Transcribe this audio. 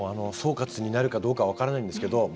総括になるかどうか分からないんですけど